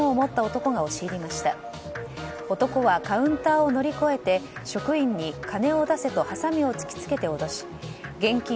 男はカウンターを乗り越えて職員に金を出せとハサミを突き付けて脅し現金